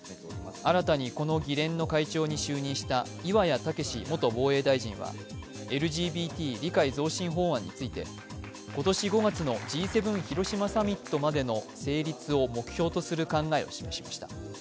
新たにこの議連の会長に就任した岩屋毅元防衛大臣はＬＧＢＴ理解増進法案について今年５月のＧ７広島サミットまでの成立を目標とする考えを示しました。